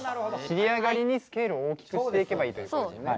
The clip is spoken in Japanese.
尻上がりにスケールを大きくしていけばいいということですよね。